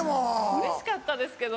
うれしかったですけど。